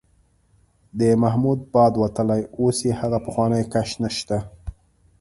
د محمود باد وتلی، اوس یې هغه پخوانی کش نشته.